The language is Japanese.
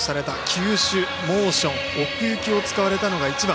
球種、モーション奥行きを使われたのが一番。